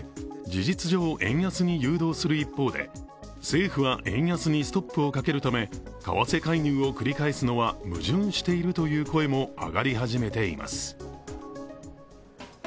事実上円安に誘導する一方で政府は円安にストップをかけるため為替介入を繰り返すのは矛盾しているという声も上がり始めています。